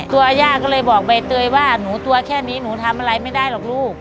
ย่าก็เลยบอกใบเตยว่าหนูตัวแค่นี้หนูทำอะไรไม่ได้หรอกลูก